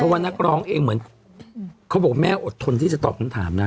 เพราะว่านักร้องเองเหมือนเขาบอกแม่อดทนที่จะตอบคำถามนะ